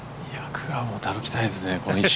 クラブ持って歩きたいですね。